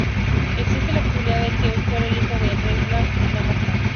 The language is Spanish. Existe la posibilidad de que fuera hijo del rey Juan I de Dinamarca.